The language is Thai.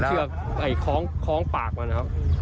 ใช้เชื่อคล้องปากมันครับ